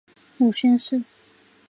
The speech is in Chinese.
母宣氏。